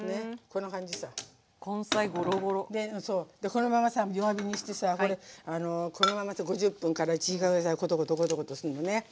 このままさ弱火にしてさこのまま５０分から１時間ぐらいコトコトコトコトすんのね